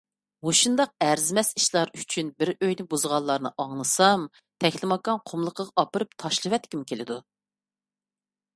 مۇشۇنداق ئەرزىمەس ئىشلار ئۈچۈن بىر ئۆينى بۇزغانلارنى ئاڭلىسام، تەكلىماكان قۇملۇقىغا ئاپىرىپ تاشلىۋەتكۈم كېلىدۇ.